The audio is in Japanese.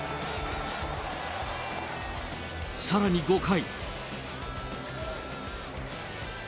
さらに５回。